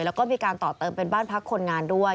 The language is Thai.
แล้วก็มีการต่อเติมเป็นบ้านพักคนงานด้วย